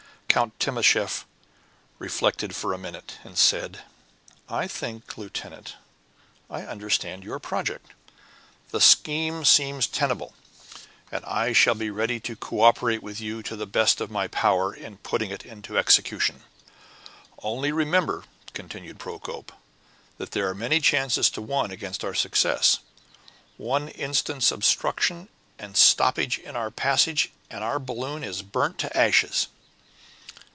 Count Timascheff reflected for a minute, and said, "I think, lieutenant, I understand your project. The scheme seems tenable; and I shall be ready to co operate with you, to the best of my power, in putting it into execution." "Only, remember," continued Procope, "there are many chances to one against our success. One instant's obstruction and stoppage in our passage, and our balloon is burnt to ashes.